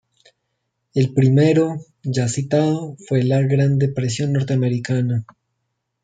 El primero, ya citado, fue la Gran Depresión norteamericana.